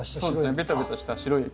ベタベタした白い液。